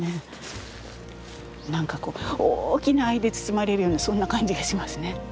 何かこう大きな愛で包まれるようなそんな感じがしますね。